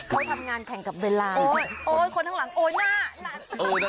เขาทำงานแข่งกับเวลาโอ๊ยคนข้างหลังโอ๊ยน่ารัก